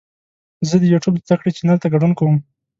زه د یوټیوب زده کړې چینل ته ګډون کوم.